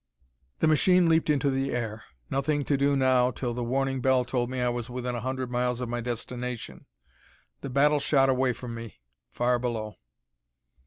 The machine leaped into the air. Nothing to do now till the warning bell told me I was within a hundred miles of my destination. The battle shot away from me, far below.